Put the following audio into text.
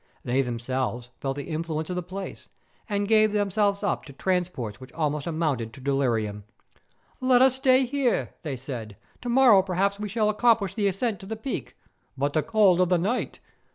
They themselves felt the influence of the place, and gave themselves up to transports which almost amounted to delirium. ' Let us stay here,' they said ;' to morrow per¬ haps we shall accomplish the ascent to the peak.' ' But the cold of the night